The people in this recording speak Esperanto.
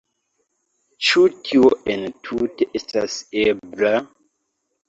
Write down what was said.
Ĉu tio entute estas ebla?